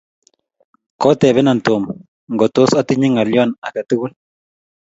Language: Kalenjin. kotebenan Tom ngo tos otinye ng'olyon age tugul